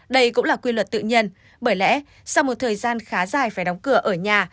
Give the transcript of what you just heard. đây cũng là quy luật tự nhiên bởi lẽ sau một thời gian khá dài phải đóng cửa ở nhà